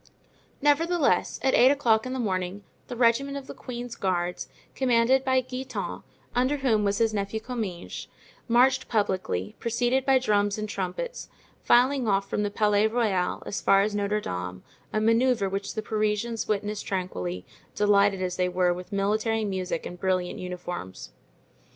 Nevertheless, at eight o'clock in the morning the regiment of the queen's guards, commanded by Guitant, under whom was his nephew Comminges, marched publicly, preceded by drums and trumpets, filing off from the Palais Royal as far as Notre Dame, a manoeuvre which the Parisians witnessed tranquilly, delighted as they were with military music and brilliant uniforms.